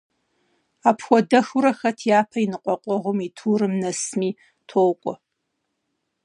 Апхуэдэххэурэ хэт япэ и ныкъуэкъуэгъум и турым нэсми, токӀуэ.